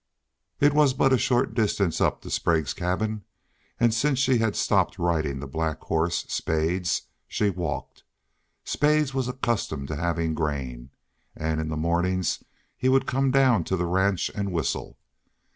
It was but a short distance up to Sprague's cabin, and since she had stopped riding the black horse, Spades, she walked. Spades was accustomed to having grain, and in the mornings he would come down to the ranch and whistle.